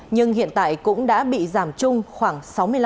nhưng hiện tại cũng đã bị giảm chung khoảng sáu mươi năm